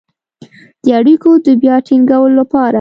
د اړیکو د بيا ټينګولو لپاره